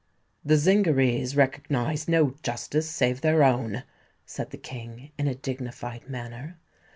"The Zingarees recognise no justice save their own," said the King, in a dignified manner.